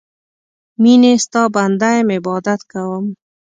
میینې ستا بنده یم عبادت کوم